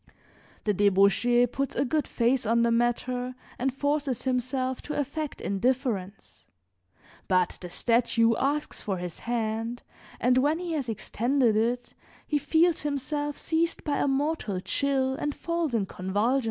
The debauchee puts a good face on the matter and forces himself to affect indifference; but the statue asks for his hand, and when he has extended it he feels himself seized by a mortal chill and falls in convulsions.